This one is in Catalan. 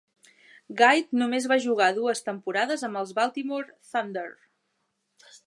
Gait només va jugar dues temporades amb els Baltimore Thunder.